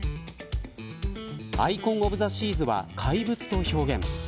アイコン・オブ・ザ・シーズは怪物と表現。